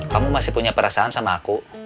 kamu masih punya perasaan sama aku